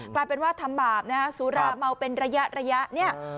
กลายเป็นว่าทำบาปนะฮะสุราเมาเป็นระยะระยะเนี่ย